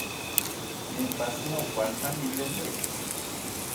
Mimfas mi okɔn a biləmbə.